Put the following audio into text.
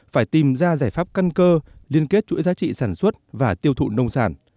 phải tìm ra giải pháp căn cơ liên kết chuỗi giá trị sản xuất và tiêu thụ nông sản